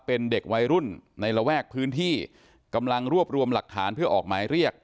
เป็นเด็กวัยรุ่นในระแวกพื้นที่กำลังรวบรวมหลักฐานเพื่อออกหมายเรียก